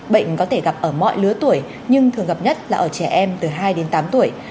bệnh có thể gặp ở mọi lứa tuổi nhưng thường gặp nhất là ở trẻ em từ hai đến tám tuổi